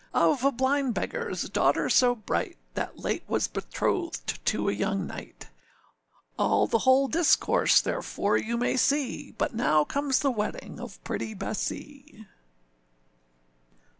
Of a blind beggarâs daughter so bright, That late was betrothed to a young knight, All the whole discourse therefore you may see; But now comes the wedding of pretty Bessee.